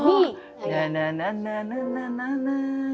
nah nah nah nah nah nah nah nah